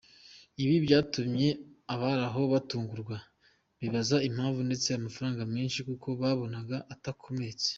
Ibi byatumye abari aho batungurwa bibaza impamvu yatse amafaranga menshi kuko babonaga atakomeretse.